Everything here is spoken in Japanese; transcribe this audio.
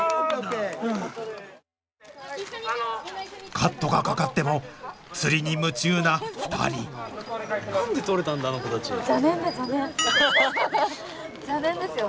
カットがかかっても釣りに夢中な２人邪念ですよ。